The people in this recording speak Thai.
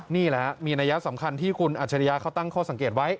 นี่แหละมีนัยสำคัญที่คุณอัจฉริยะเขาตั้งข้อสังเกตไว้